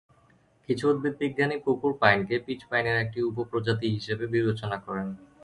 কিছু উদ্ভিদবিজ্ঞানী পুকুর পাইনকে পিচ পাইনের একটি উপপ্রজাতি হিসেবে বিবেচনা করেন।